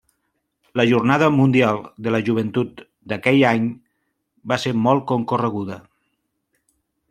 La Jornada Mundial de la Joventut d'aquell any va ser molt concorreguda.